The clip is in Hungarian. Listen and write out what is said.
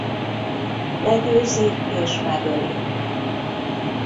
Legyőzi és megöli.